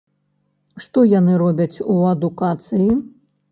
Што яны робяць у адукацыі?